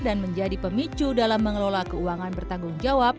dan menjadi pemicu dalam mengelola keuangan bertanggung jawab